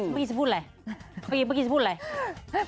เบี้ยเบอกี้จะพูดอะไร